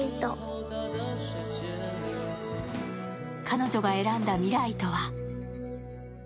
彼女が選んだ未来とは？